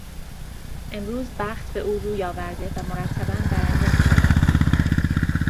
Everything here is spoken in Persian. امروز بخت به او روی آورده و مرتبا برنده میشود.